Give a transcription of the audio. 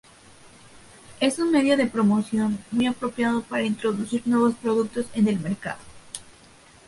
Es un medio de promoción muy apropiado para introducir nuevos productos en el mercado.